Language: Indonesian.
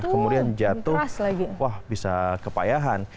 kemudian jatuh wah bisa kepayahan